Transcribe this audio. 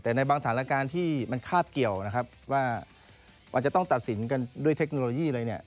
แต่ในบางฐานละการที่มันคาบเกี่ยวว่ามันจะต้องตัดสินกันด้วยเทคโนโลยีเลย